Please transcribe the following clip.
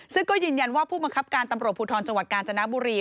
ซึ่งก็ยืนยันว่าผู้บังคับการตำรวจภูทรจังหวัดกาญจนบุรี